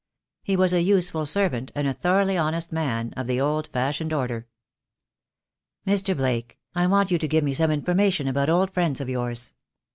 He was a useful servant, and a thoroughly honest man, of the old fashioned order. "Mr. Blake, I want you to give me some information about old friends of yours.